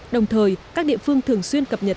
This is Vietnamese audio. đồng thời các địa phương thường xuyên cập nhật